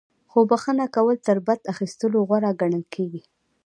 خو بخښنه کول تر بدل اخیستلو غوره ګڼل کیږي.